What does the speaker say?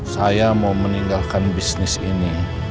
saya mau meninggalkan bisnis ini